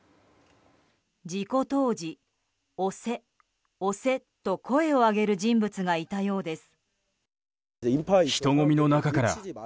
事故当時、押せ、押せと声を上げる人物がいたようです。